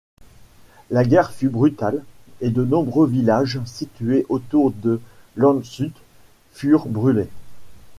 La guerre fut brutale et de nombreux villages situés autour de Landshut furent brûlés.